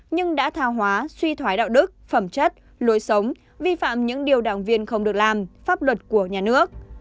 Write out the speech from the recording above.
nhưng đã tha hóa suy thoái đạo đức phẩm chất lối sống vi phạm những điều đảng viên không được làm pháp luật của nhà nước